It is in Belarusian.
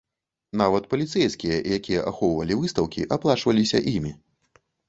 Нават паліцэйскія, якія ахоўвалі выстаўкі, аплачваліся імі.